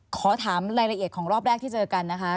ขอถามรายละเอียดของรอบแรกที่เจอกันนะคะ